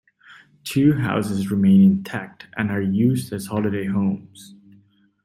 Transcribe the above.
Two houses remain intact and are used as holiday homes.